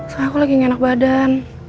terus aku lagi gak enak badan